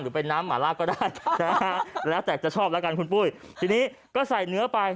ไปน้ำหมาล่าก็ได้นะฮะแล้วแต่จะชอบแล้วกันคุณปุ้ยทีนี้ก็ใส่เนื้อไป